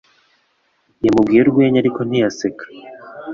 Yamubwiye urwenya ariko ntiyaseka